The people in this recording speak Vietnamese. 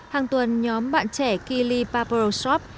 hàng tuần nhóm bạn trẻ kili pappero shop